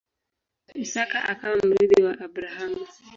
Isaka akawa mrithi wa Abrahamu.